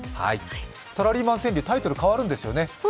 サラリーマン川柳のタイトル、変わるんですよね。